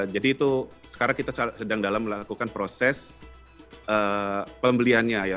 jadi itu sekarang kita sedang dalam melakukan proses pembeliannya ya